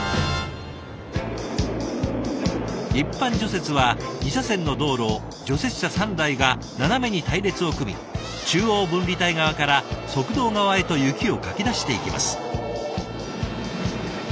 一般除雪は２車線の道路を除雪車３台が斜めに隊列を組み中央分離帯側から側道側へと雪をかき出していきます。